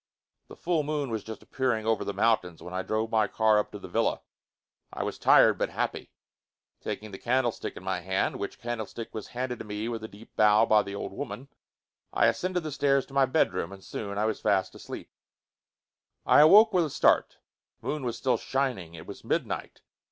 The full moon was just appearing over the mountains when I drove my car up to the villa. I was tired, but happy. Taking the candlestick in my hand, which candlestick was handed to me with a deep bow by the old woman, I ascended the stairs to my bedroom. And soon I was fast asleep. I awoke with a start. The moon was still shining. It was midnight.